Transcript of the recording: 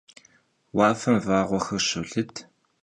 Vuafem vağuexer şolıd.